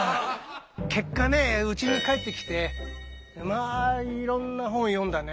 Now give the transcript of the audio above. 結果ねうちに帰ってきてまあいろんな本を読んだね。